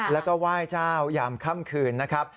แล้วก็ไหว้เจ้ายามค่ำคืนนะครับ